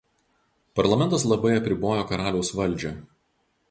Parlamentas labai apribojo karaliaus valdžią.